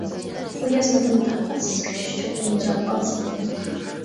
بۇ يازمىدىن تاقەتسىز كۈتۈش چوقۇم جاۋاب ئالسا دەيمەن.